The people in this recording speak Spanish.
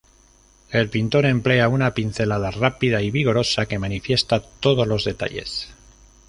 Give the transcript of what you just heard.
El pintor emplea una pincelada rápida y vigorosa que manifiesta todos los detalles.